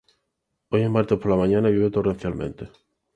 Hoy es martes por la mañana y llueve torrencialmente.